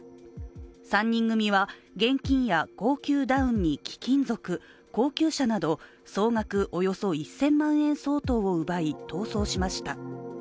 ３人組は、現金や高級ダウンに貴金属高級車など、総額およそ１０００万円相当を奪い逃走しました。